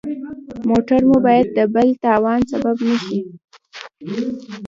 موټر مو باید د بل تاوان سبب نه شي.